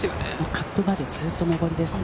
カップまで、ずっと上りです。